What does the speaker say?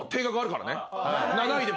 ７位でも。